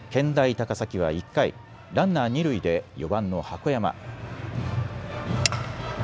高崎は１回、ランナー二塁で４番の箱山。